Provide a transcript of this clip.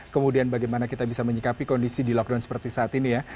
kemudian bagaimana kita bisa menyikapi kondisi di lockdown seperti saat ini ya